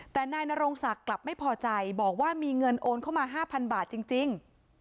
แต่นายนรงศักดิ์กลับไม่พอใจบอกว่ามีเงินโอนเข้ามา๕๐๐บาทจริง